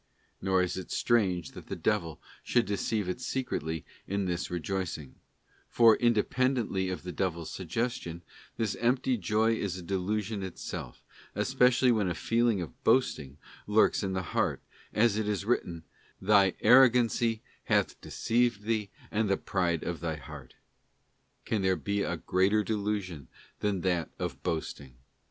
Nor is it strange that the devil should deceive it secretly in this rejoicing; for, inde pendently of the devil's suggestion, this empty joy is a delusion itself, especially when a feeling of boasting lurks in the heart, as it is written, 'Thy arrogancy hath deceived thee and the pride of thy heart.'t Can there be a greater delusion than that of boasting?